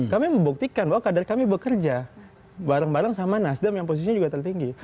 kami membuktikan bahwa kader kami bekerja bareng bareng sama nasdem yang posisinya juga tertinggi